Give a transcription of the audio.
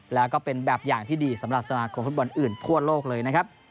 แล้วก็เป็นแบบอย่างที่ดีสำหรับสมาคมฟุตบอลอื่นทั่วโลกเลยนะครับ